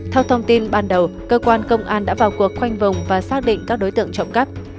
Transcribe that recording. theo thông tin ban đầu cơ quan công an đã vào cuộc khoanh vùng và xác định các đối tượng trộm cắp